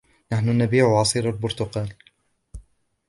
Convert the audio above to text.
نحن نبيع عصير البرتقال.